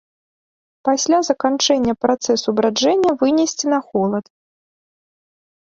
Пасля заканчэння працэсу браджэння вынесці на холад.